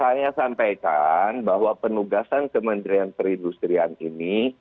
saya sampaikan bahwa penugasan kementerian perindustrian ini